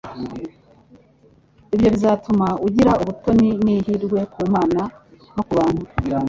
Ibyo bizatuma ugira ubutoni n'ihirwe ku Mana no ku bantu